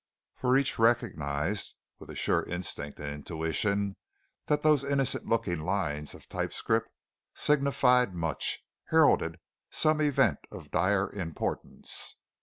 For each recognized, with a sure instinct and intuition, that those innocent looking lines of type script signified much, heralded some event of dire importance.